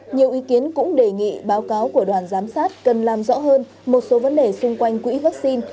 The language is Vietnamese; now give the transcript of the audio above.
nhiều ý kiến cũng đề nghị báo cáo của đoàn giám sát cần làm rõ hơn một số vấn đề xung quanh quỹ vaccine